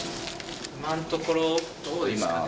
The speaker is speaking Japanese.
今のところ、どうですかね。